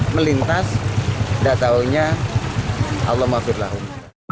melintas dataunya allah maafkan